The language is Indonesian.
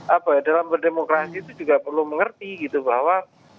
apa ya dalam berdemokrasi itu juga perlu mengerti gitu bahwa